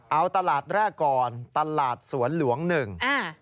เอาตลาดแรกก่อนตลาดสวนหลวงหนึ่งอ่า